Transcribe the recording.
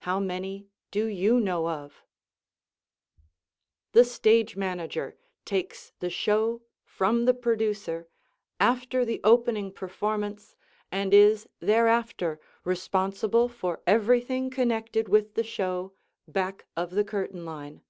How many do you know of? [Illustration: W.C. FIELDS] The Stage Manager takes the show from the Producer after the opening performance and is thereafter responsible for everything connected with the show back of the curtain line.